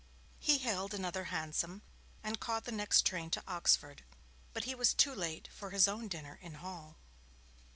He hailed another hansom and caught the next train to Oxford. But he was too late for his own dinner in Hall.